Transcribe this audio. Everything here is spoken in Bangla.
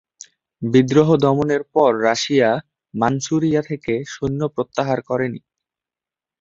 বিদ্রোহ দমনের পর রাশিয়া মাঞ্চুরিয়া থেকে সৈন্য প্রত্যাহার করেনি।